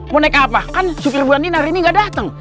mau naik apa kan supir buandien hari ini gak dateng